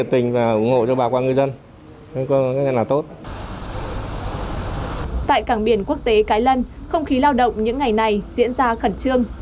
tại cảng biển quốc tế cái lân không khí lao động những ngày này diễn ra khẩn trương